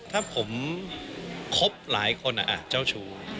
ถ้าผมครบหลายคนเจ้าชู้